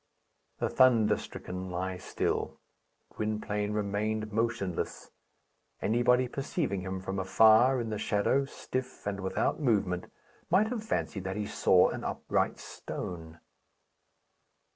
The thunder stricken lie still. Gwynplaine remained motionless. Anybody perceiving him from afar, in the shadow, stiff, and without movement, might have fancied that he saw an upright stone.